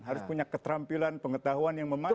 harus punya keterampilan pengetahuan yang memadai